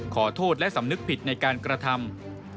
ขอโทษและสำนึกผิดในการกระทำ